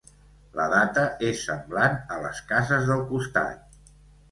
La data és semblant a les cases del costat.